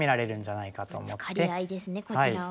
ぶつかり合いですねこちらは。